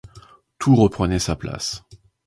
Tout reprenait sa place.